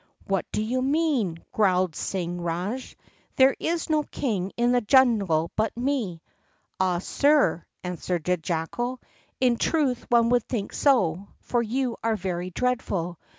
"What do you mean?" growled Singh Rajah. "There is no king in this jungle but me!" "Ah, sire," answered the jackal, "in truth one would think so, for you are very dreadful.